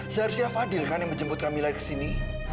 seharusnya fadil kan yang menjemput kamila kesini